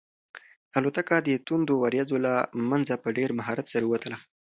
الوتکه د توندو وریځو له منځه په ډېر مهارت سره ووتله.